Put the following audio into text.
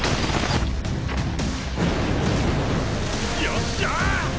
よっしゃ！